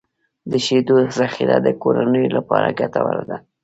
د شیدو ذخیره د کورنیو لپاره ګټوره ده.